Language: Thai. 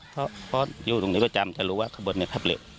เพราะอยู่ตรงนี้ประจำจะรู้ว่าขบวนนี้ครับเร็ว